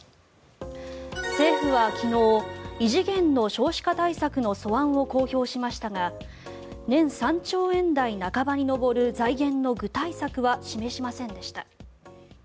政府は昨日異次元の少子化対策の素案を公表しましたが年３兆円台半ばに上る財源の具体策は示しませんでした。